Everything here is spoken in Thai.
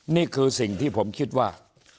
นี่คือสิ่งที่ผมคิดว่า